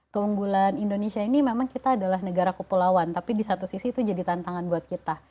keunggulan indonesia ini memang kita adalah negara kepulauan tapi di satu sisi itu jadi tantangan buat kita